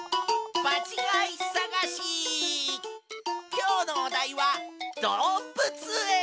きょうのおだいはどうぶつえん。